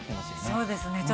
そうですね。